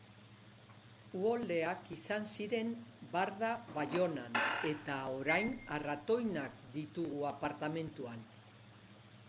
Uholdeak izan ziren barda Baionan eta orain arratoinak ditugu apartamentuan!